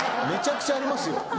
めちゃくちゃありますよ